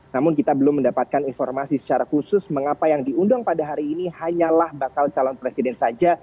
namun kita belum mendapatkan informasi secara khusus mengapa yang diundang pada hari ini hanyalah bakal calon presiden saja